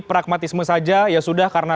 pragmatisme saja ya sudah karena